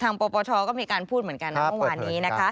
ทางปปชก็มีการพูดเหมือนกันน้ำเมื่อวานนี้